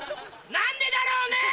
何でだろうね